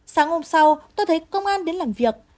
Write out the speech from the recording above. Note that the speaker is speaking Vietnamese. sáng hôm sau tôi thấy công an đến làm việc